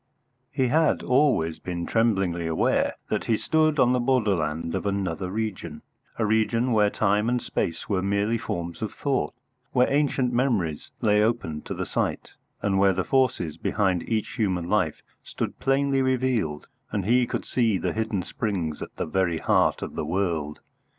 He had always been tremblingly aware that he stood on the borderland of another region, a region where time and space were merely forms of thought, where ancient memories lay open to the sight, and where the forces behind each human life stood plainly revealed and he could see the hidden springs at the very heart of the world.